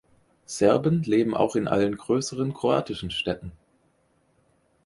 Serben leben auch in allen größeren kroatischen Städten.